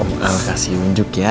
om al kasih unjuk ya